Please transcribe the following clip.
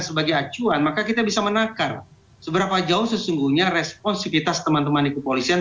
sebagai acuan maka kita bisa menakar seberapa jauh sesungguhnya responsifitas teman teman di kepolisian